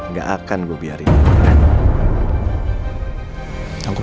gak akan gua biarin dia kabur